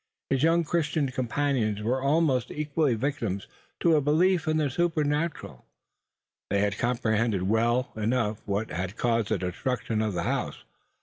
His young Christian companions were almost equally victims to a belief in the supernatural. They comprehended well enough what had caused the destruction of the house.